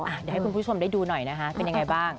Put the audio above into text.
เดี๋ยวให้คุณผู้ชมได้ดูหน่อยนะคะเป็นยังไงบ้าง